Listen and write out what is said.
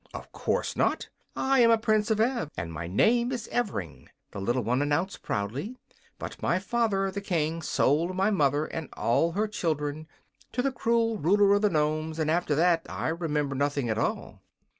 "Of course not. I am a Prince of Ev, and my name is Evring," the little one announced, proudly. "But my father, the King, sold my mother and all her children to the cruel ruler of the Nomes, and after that I remember nothing at all."